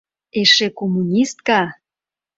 Эше коммунистка...